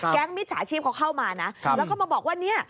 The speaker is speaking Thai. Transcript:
มิจฉาชีพเขาเข้ามานะแล้วก็มาบอกว่าเนี่ย